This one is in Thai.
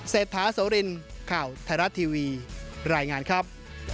เศรษฐาโสรินข่าวไทยรัฐทีวีรายงานครับ